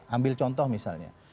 ambil contoh misalnya